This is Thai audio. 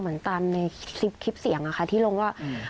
เหมือนตามในคลิปเสียงอะค่ะที่ลงว่า